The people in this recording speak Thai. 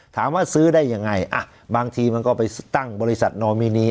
ซื้อได้ยังไงบางทีมันก็ไปตั้งบริษัทนอมินี